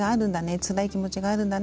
つらい気持ちがあるんだね